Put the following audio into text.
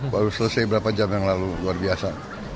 baru selesai berapa jam yang lalu luar biasa